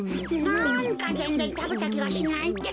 なんかぜんぜんたべたきがしないってか。